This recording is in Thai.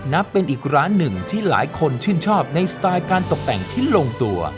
นับเป็นอีกร้านหนึ่งที่หลายคนชื่นชอบในสไตล์การตกแต่งที่ลงตัว